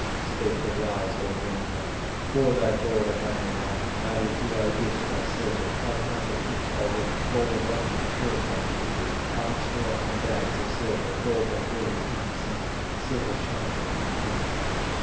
Spake the wise, old Wainamoinen: "For thy gold I have no longing, Neither do I wish thy silver, Have enough of each already; Gold abundant fills my chambers, On each nail hang bags of silver, Gold that glitters in the sunshine, Silver shining in the moonlight."